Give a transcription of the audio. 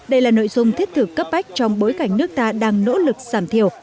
đây là nội dung thiết thực cấp bách trong bối cảnh nước ta đang nỗ lực giảm thiểu